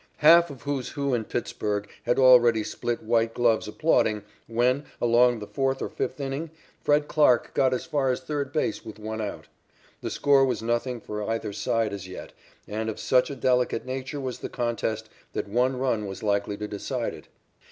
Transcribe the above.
Half of "Who's Who in Pittsburg" had already split white gloves applauding when, along about the fourth or fifth inning, Fred Clarke got as far as third base with one out. The score was nothing for either side as yet, and of such a delicate nature was the contest that one run was likely to decide it.